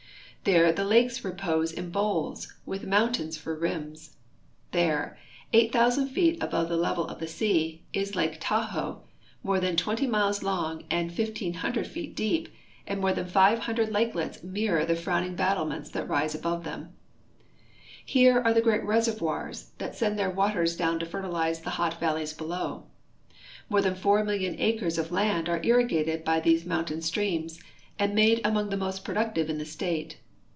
There the lakes repose in bowls with mountains for rims. There, 8,000 feet above the level of the sea, is lake Tahoe, more than 20 miles long and 1,500 feet deep, and more than five hundred lakelets mirror the frowning battlements that rise above them. Here are the great reservoirs that send their waters down to fertilize the hot valleys below. More than 4,000,000 acres of land are irrigated by these mountain streams, and made among the most productive in the state.